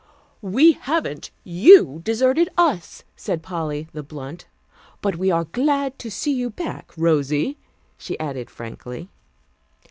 "We haven't. You deserted us," said Polly the blunt. "But we are glad to see you back, Rosy," she added, frankly.